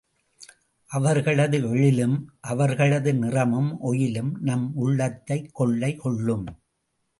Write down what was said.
அவர்களது எழிலும், அவர்களது நிறமும் ஒயிலும் நம் உள்ளத்தைக் கொள்ளை கொள்ளும்.